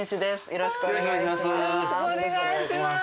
よろしくお願いします。